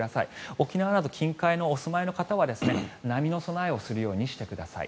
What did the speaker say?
沖縄など近海にお住まいの方は波の備えをするようにしてください。